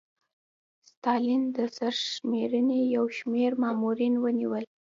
ستالین د سرشمېرنې یو شمېر مامورین ونیول